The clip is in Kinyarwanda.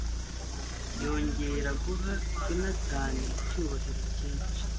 yongera guha yonatani icyubahiro cyinshi